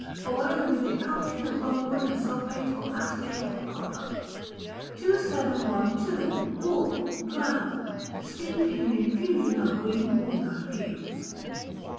Boil in a decoction of logwood and sulphate or acetate of copper. 2712. Wool (Brown). Steep in an infusion of green walnut peels.